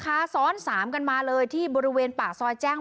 ซ้อนสามกันมาเลยที่บริเวณปากซอยแจ้ง